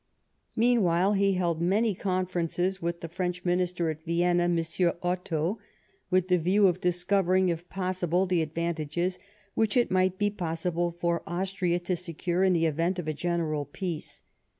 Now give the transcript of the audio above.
]\Ieanwhile he held many conferences with the French Minister at Vienna, M. Otto, with the view of discovering, if possible, the advantages which it might be possible for Austria to secure in the event of a general peace.